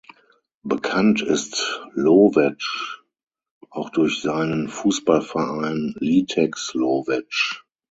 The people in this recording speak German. Bekannt ist Lowetsch auch durch seinen Fußballverein Litex Lowetsch.